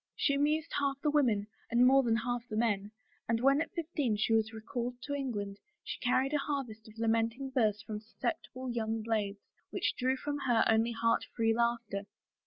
She amused half the women and more than half the men and when at fifteen she was recalled to England she carried a harvest of lamenting verse from susceptible young blades, which drew from her only heart free laughter.